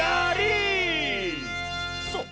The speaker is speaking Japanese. そう。